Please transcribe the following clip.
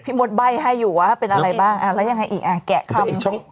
หมดใบให้อยู่ว่าเป็นอะไรบ้างแล้วยังไงอีกแกะคำ